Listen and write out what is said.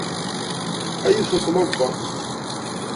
A yiwet n tmagadt!